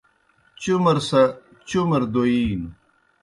چُمر سہ چُمر دوئینوْ